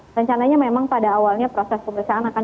rencananya memang pada awalnya proses pemeriksaan akan